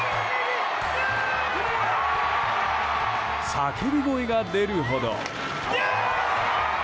叫び声が出るほど。